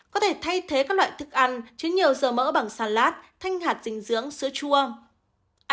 có thể thay thế các loại thức ăn chứa nhiều dầu mỡ bằng xà lát thanh hạt dinh dưỡng sữa chua